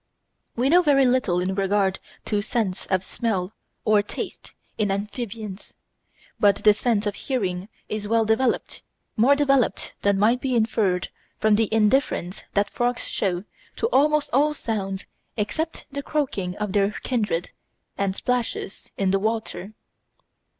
We know very little in regard to sense of smell or taste in amphibians; but the sense of hearing is well developed, more developed than might be inferred from the indifference that frogs show to almost all sounds except the croaking of their kindred and splashes in the water.